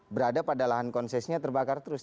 berada pada lahan konsesinya terbakar terus